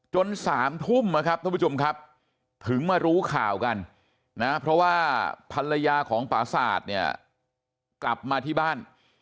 ๓ทุ่มนะครับท่านผู้ชมครับถึงมารู้ข่าวกันนะเพราะว่าภรรยาของปราศาสตร์เนี่ยกลับมาที่บ้าน